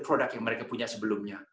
produk yang mereka punya sebelumnya